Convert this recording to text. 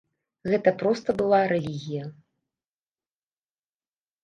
Гэта проста была рэлігія!